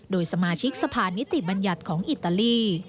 โดยสมาชิกสภานิติบัญญัติของอิตาลี